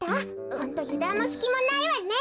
ホントゆだんもすきもないわね。